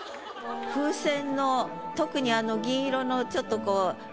風船の特に銀色のちょっとこうメタ。